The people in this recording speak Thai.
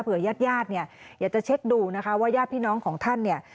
ญาติญาติเนี่ยอยากจะเช็คดูนะคะว่าญาติพี่น้องของท่านเนี่ย